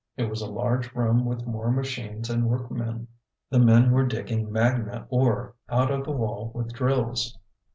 It was a large room with more machines and workmen. The men were digging magna ore out of the wall with drills.